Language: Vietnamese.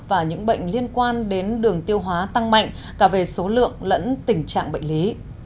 và những bệnh liên quan đến đường tiêu hóa tăng mạnh cả về số lượng lẫn tình trạng bệnh lý